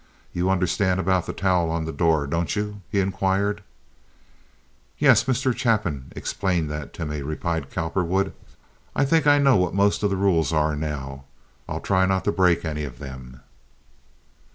You understand about the towel on the door, don't you?" he inquired. "Yes, Mr. Chapin explained that to me," replied Cowperwood. "I think I know what most of the rules are now. I'll try not to break any of them."